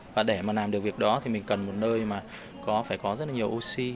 và để mà làm được việc đó thì mình cần một nơi mà có phải có rất là nhiều oxy